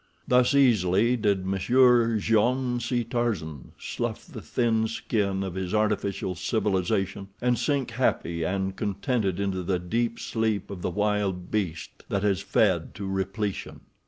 Thus easily did Monsieur Jean C. Tarzan slough the thin skin of his artificial civilization, and sink happy and contented into the deep sleep of the wild beast that has fed to repletion.